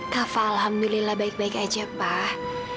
kava alhamdulillah baik baik aja pak